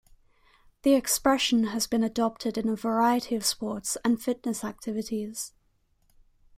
The expression has been adopted in a variety of sports and fitness activities.